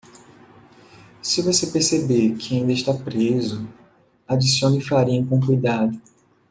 Se você perceber que ainda está preso, adicione a farinha com cuidado.